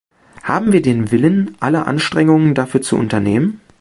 Haben wir den Willen, alle Anstrengungen dafür zu unternehmen?